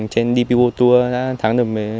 trên dp world tour đã thắng được